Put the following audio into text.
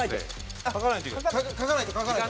書かないと書かないと。